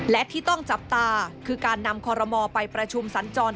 และที่ต้องจับตาคือการนำคอรมอลไปประชุมสัญจร